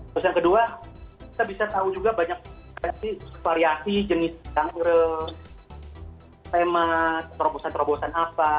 terus yang kedua kita bisa tahu juga banyak variasi jenis genre tema terobosan terobosan apa